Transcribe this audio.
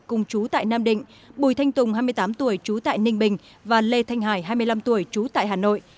cùng chú tại nam định bùi thanh tùng hai mươi tám tuổi trú tại ninh bình và lê thanh hải hai mươi năm tuổi trú tại hà nội